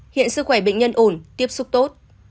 hiện sức khỏe bệnh nhân ổn tiếp xúc tốt